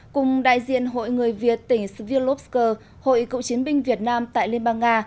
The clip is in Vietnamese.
cùng đại diện hội người việt tỉnh svirlovsk hội cộng chiến binh việt nam tại liên bang nga